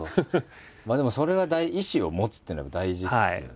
でもそれが意思を持つっていうのも大事ですよね。